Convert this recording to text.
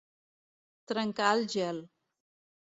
Trencar el gel